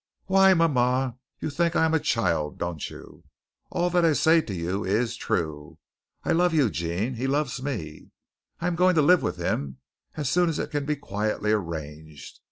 "Why, mama! You think I am a child, don't you? All that I say to you is true. I love Eugene. He loves me. I am going to live with him as soon as it can be quietly arranged.